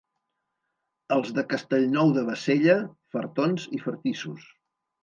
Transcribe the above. Els de Castellnou de Bassella, fartons i fartissos.